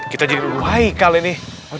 kita jadi dulu haikal ini